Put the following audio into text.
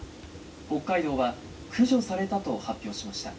北海道は駆除されたと発表しました。